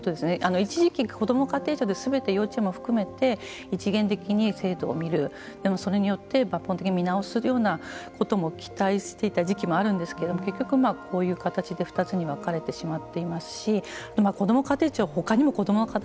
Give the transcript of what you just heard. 一時期、こども家庭庁ですべて幼稚園も含めて一元的に制度を見るでもそれによって抜本的に見直すようなことも期待していた時期もあるんですけれども結局、こういう形で２つに分かれてしまっていますしこども家庭庁他にも子どもの課題